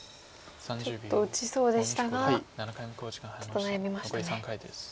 ちょっと打ちそうでしたがちょっと悩みましたね。